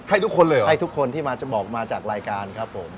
ให้ทุกคนเลยเหรอให้ทุกคนที่มาจะบอกมาจากรายการครับผม